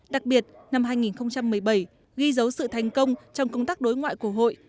đặc biệt năm hai nghìn một mươi bảy ghi dấu sự thành công trong công tác đối ngoại của hội